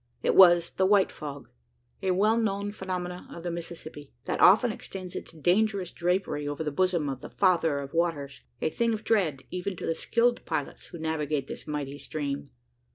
It was the white fog a well known phenomenon of the Mississippi that often extends its dangerous drapery over the bosom of the "Father of Waters:" a thing of dread, even to the skilled pilots who navigate this mighty stream.